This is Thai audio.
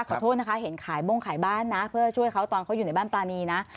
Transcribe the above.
ขอโทษนะคะเห็นขายบ้งขายบ้านนะเพื่อช่วยเขาตอนเขาอยู่ในบ้านปรานีนะ